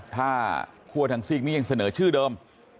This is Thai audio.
ถ้าคั่วทางซีกนี้ยังเสนอชื่อเดิม